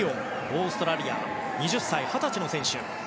オーストラリアの二十歳の選手です。